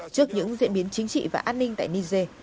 trước những diễn biến chính trị và an ninh tại niger